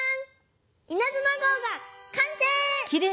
イナズマ号がかんせい！